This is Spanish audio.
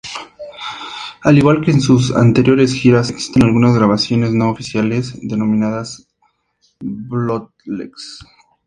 Al igual que en sus anteriores giras existen algunas grabaciones no oficiales denominadas "bootlegs".